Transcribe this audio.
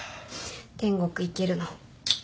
天国行けるの？